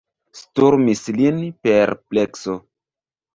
Sturmis lin perplekso.